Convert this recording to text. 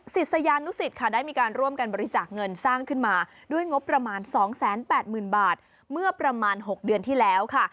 ศิษยานุสิตค่ะได้มีการร่วมกันบริจาคเงินสร้างขึ้นมาด้วยงบประมาณ๒๘๐๐๐บาทเมื่อประมาณ๖เดือนที่แล้วค่ะ